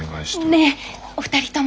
ねえお二人とも。